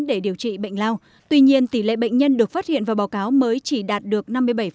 để điều trị bệnh lao tuy nhiên tỷ lệ bệnh nhân được phát hiện và báo cáo mới chỉ đạt được năm mươi bảy